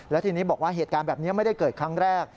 แล้วทีนี้บอกว่าเหตุการณ์แบบนี้ไม่ได้เกิดครั้งแรก